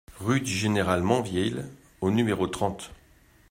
Rue du Général Menvielle au numéro trente